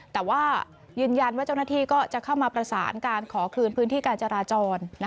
แต่ว่ายืนยันว่าเจ้าหน้าที่ก็จะเข้ามาประสานการขอคืนพื้นที่การจราจร